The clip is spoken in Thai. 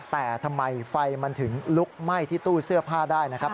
แต่ทำไมไฟมันถึงลุกไหม้ที่ตู้เสื้อผ้าได้นะครับ